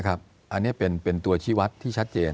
อันนี้เป็นตัวชีวัตรที่ชัดเจน